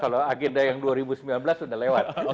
kalau agenda yang dua ribu sembilan belas sudah lewat